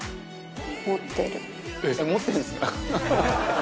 持ってるんですか？